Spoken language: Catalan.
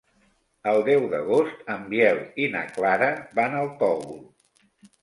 El deu d'agost en Biel i na Clara van al Cogul.